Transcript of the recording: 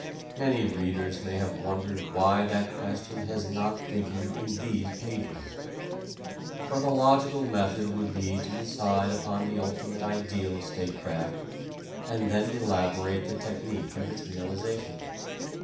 Many readers may have wondered why that question has not figured in these pages. For the logical method would be to decide upon the ultimate ideal of statecraft and then elaborate the technique of its realization.